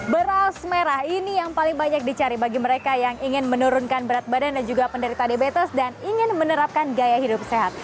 beras merah ini yang paling banyak dicari bagi mereka yang ingin menurunkan berat badan dan juga penderita diabetes dan ingin menerapkan gaya hidup sehat